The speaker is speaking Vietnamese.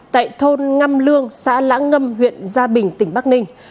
tại thôn ngăm lương xã lã ngâm huyện gia bình tỉnh bắc ninh